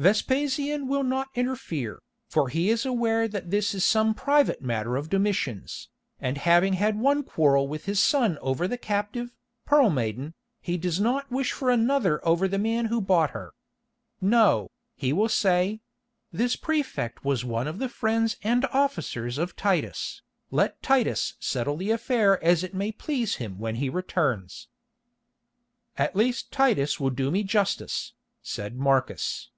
Vespasian will not interfere, for he is aware that this is some private matter of Domitian's, and having had one quarrel with his son over the captive, Pearl Maiden, he does not wish for another over the man who bought her. No, he will say—this prefect was one of the friends and officers of Titus, let Titus settle the affair as it may please him when he returns." "At least Titus will do me justice," said Marcus.